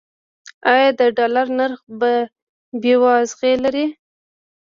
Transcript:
آیا د ډالر نرخ په بیو اغیز لري؟